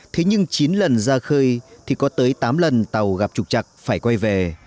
thế nhưng chín lần ra khơi thì có tới tám lần tàu gặp trục chặt phải quay về